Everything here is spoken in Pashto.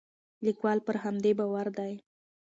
لیکوال پر همدې باور دی.